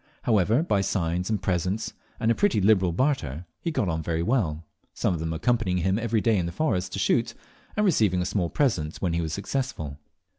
However, by signs and presents and a pretty liberal barter, he got on very well, some of them accompanying him every day in the forest to shoot, and receiving a small present when he was successful.